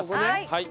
はい。